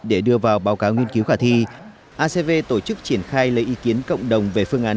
để đưa vào báo cáo nghiên cứu khả thi acv tổ chức triển khai lấy ý kiến cộng đồng về phương án